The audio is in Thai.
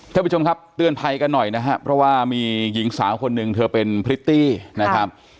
ท่านผู้ชมครับเตือนภัยกันหน่อยนะครับเพราะว่ามีหญิงสาวคนหนึ่งเธอเป็นพริตตี้นะครับ